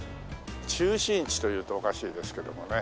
中心地というとおかしいですけどもね。